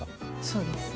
そうです。